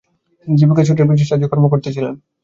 তিনি জীবিকাসূত্রে ব্রিটিশ রাজের কর্মকর্তা ছিলেন।